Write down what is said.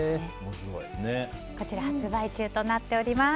こちら、発売中となっています。